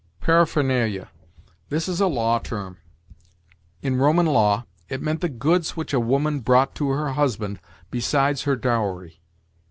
PARAPHERNALIA. This is a law term. In Roman law, it meant the goods which a woman brought to her husband besides her dowry.